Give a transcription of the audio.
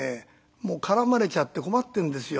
もう絡まれちゃって困ってるんですよ。